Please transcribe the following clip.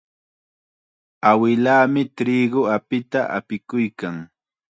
Awilaami triqu apita apikuykan.